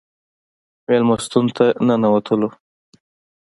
مېلمستون ته ننوتلو.